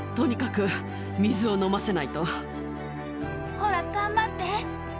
ほら頑張って。